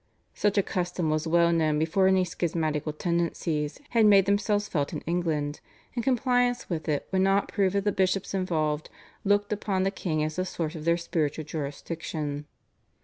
Such a custom was well known before any schismatical tendencies had made themselves felt in England, and compliance with it would not prove that the bishops involved looked upon the king as the source of their spiritual jurisdiction.